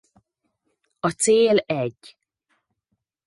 A cél egy